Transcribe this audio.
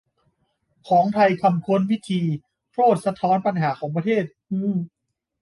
ของไทยคำค้น "วิธี" โคตรสะท้อนปัญหาของประเทศ ฮือ